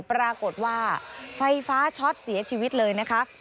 ปรากฏว่าไฟฟ้าช็อตเสียชีวิตเลยนะคะ